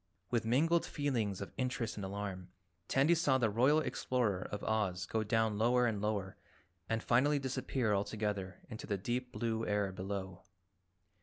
With mingled feelings of interest and alarm, Tandy saw the Royal Explorer of Oz go down lower and lower and finally disappear altogether into the deep blue air below.